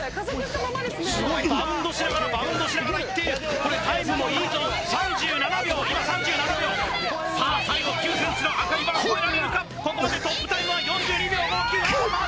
バウンドしながらバウンドしながらいっているこれはタイムもいいぞ３７秒今３７秒さあ最後９ｃｍの赤いバーこえられるかここまでトップタイムは４２秒５９あーっま